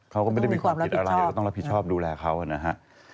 เขาก็ไม่ได้มีความผิดอะไรก็ต้องรับผิดชอบดูแลเขานะฮะ